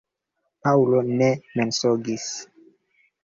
Paŭlo ne mensogis.